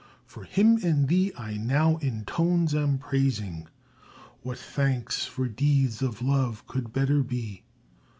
"For him and thee I now in tones am praising; What thanks for deeds of love could better be?